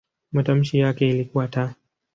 Matamshi yake ilikuwa "t".